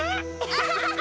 アハハハ！